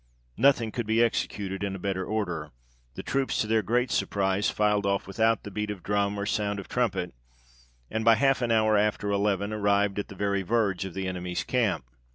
Nothing could be executed in a better order ; the troops to their great surprise, filed off without beat of drum, or sound of trumpet ; and by half an hour after eleven arrived at the very verge of the enemies camp.